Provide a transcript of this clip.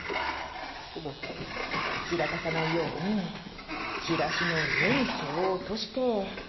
散らかさないようにチラシの上に毛を落として。